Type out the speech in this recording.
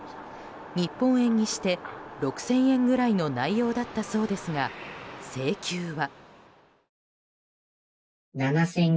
日本円にして６０００円ぐらいの内容だったそうですが請求は。